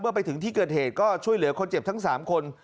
ไปถึงที่เกิดเหตุก็ช่วยเหลือคนเจ็บทั้ง๓คน